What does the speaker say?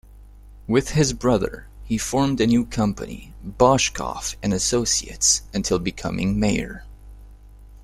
With his brother he formed a new company "Boshcoff and Associates" until becoming Mayor.